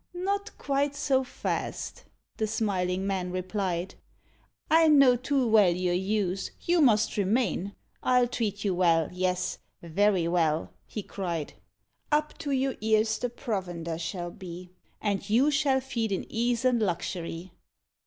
"Not quite so fast," the smiling Man replied, "I know too well your use, you must remain; I'll treat you well, yes, very well," he cried: "Up to your ears the provender shall be, And you shall feed in ease and luxury."